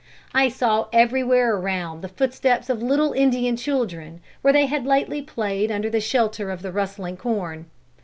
"I saw everywhere around the footsteps of little Indian children, where they had lately played under shelter of the rustling corn.